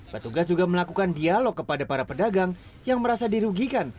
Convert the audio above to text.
petugas juga melakukan dialog kepada para pedagang yang merasa dirugikan